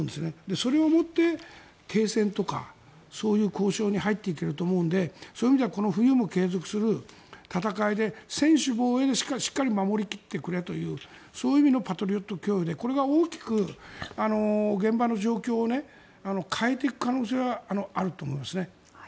それをもって停戦とかそういう交渉に入っていけると思うのでそういう意味ではこの冬も継続する戦いで専守防衛でしっかり守り切ってくれというそういう意味のパトリオット供与でこれが大きく現場の状況を変えていく可能性はあると思います。